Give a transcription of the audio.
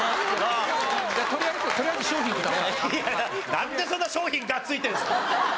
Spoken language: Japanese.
やっぱなんでそんなに賞品にがっついてるんですか！？